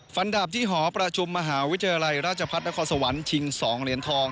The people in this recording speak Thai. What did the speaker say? ดาบที่หอประชุมมหาวิทยาลัยราชพัฒนครสวรรค์ชิง๒เหรียญทอง